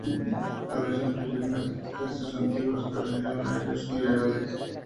Tal vez influyeron las críticas de sus antiguos correligionarios liberales.